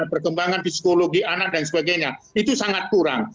perkembangan psikologi anak dan sebagainya itu sangat kurang